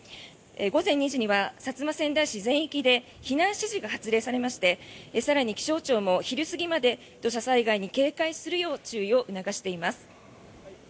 午前２時には薩摩川内市全域で避難指示が発令されまして更に、気象庁も昼過ぎまで土砂災害に警戒するよう注意を促しています。